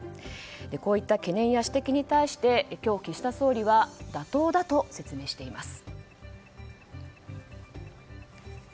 こういった懸念や指摘に対して今日、岸田総理は妥当だと説明しています。